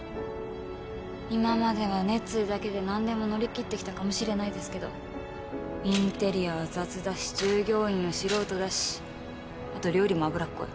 今までは熱意だけでなんでも乗りきってきたかもしれないですけどインテリアは雑だし従業員は素人だしあと料理も脂っこい。